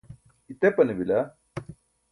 itepane bila